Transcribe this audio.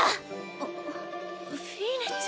あっフィーネちゃん。